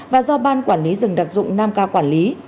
và do ban quản lý rừng đặc dụng nam ca quản lý